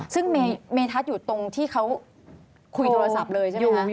ซึ่งเมทัศน์อยู่ตรงที่เขาคุยโทรศัพท์เลยใช่ไหมคะ